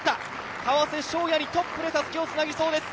川瀬翔矢にトップでたすきをつなげそうです。